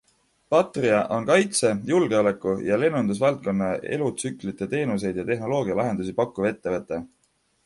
Patria on kaitse-, julgeoleku- ja lennundusvaldkonna elutsüklitoe teenuseid ja tehnoloogialahendusi pakkuv ettevõte.